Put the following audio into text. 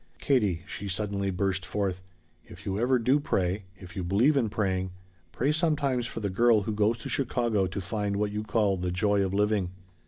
"Katie," she suddenly burst forth, "if you ever do pray if you believe in praying pray sometimes for the girl who goes to Chicago to find what you call the 'joy of living.'